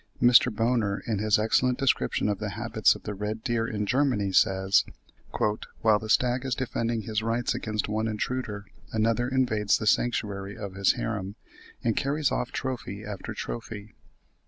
(44. Mr. Boner, in his excellent description of the habits of the red deer in Germany ('Forest Creatures,' 1861, p. 81) says, "while the stag is defending his rights against one intruder, another invades the sanctuary of his harem, and carries off trophy after trophy."